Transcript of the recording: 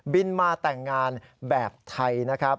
บินมาแต่งงานแบบไทยนะครับ